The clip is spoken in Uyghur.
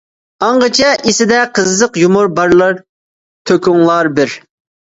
ئاڭغىچە ئېسىدە قىزىق يۇمۇر بارلار تۆكۈڭلار بىر.